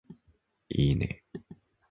いいね